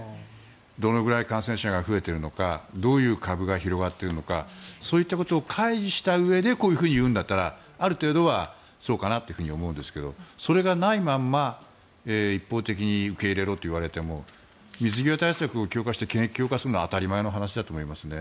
どのぐらい感染者が増えているのかどういう株が広がっているのかそういったことを開示したうえでこう言うんだったらある程度はそうかなと思うんですがそれがないまま一方的に受け入れろと言われても水際対策を強化して検疫を強化するのは当たり前の話だと思いますね。